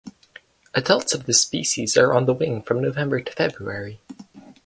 Adults of this species are on the wing from November to February.